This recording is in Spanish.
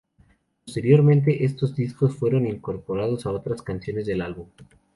Posteriormente, estos discos fueron incorporados a otras canciones del álbum.